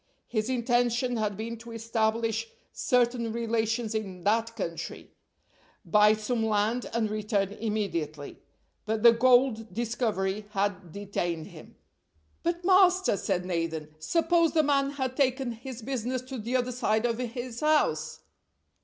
His intention had been to establish certain relations in that country, buy some land, and return immediately; but the gold discovery had detained him. "But, master," said Nathan, "suppose the man had taken his business to the other side of his house?"